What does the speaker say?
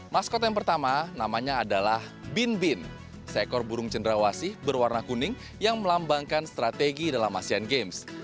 maskot yang pertama namanya adalah bin bin seekor burung cenderawasih berwarna kuning yang melambangkan strategi dalam asean games